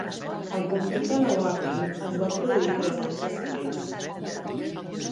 El conflicte de Wapping es va produir tres anys després.